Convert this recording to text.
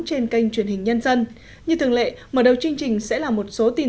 trên kênh truyền hình nhân dân như thường lệ mở đầu chương trình sẽ là một số tin